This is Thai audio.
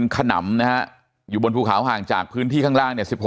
ขนำนะฮะอยู่บนภูเขาห่างจากพื้นที่ข้างล่างเนี่ย